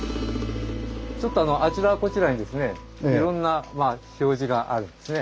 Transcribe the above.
ちょっとあちらこちらにですねいろんな表示があるんですね。